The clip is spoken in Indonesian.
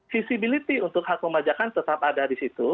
visibility untuk hak pemajakan tetap ada di situ